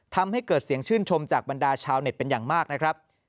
ทำให้เกิดเสียงชื่นชมจากบรรดาชาวเน็ตเป็นอย่างมากนะครับ